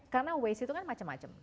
karena waste itu kan macam macam